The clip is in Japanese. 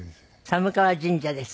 寒川神社です。